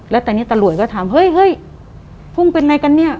แล้วตอนนี้ตำรวจก็ถามเฮ้ยเฮ้ยพุ่งเป็นไงกันเนี่ย